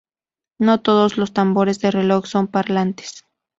No todos los tambores de reloj son parlantes.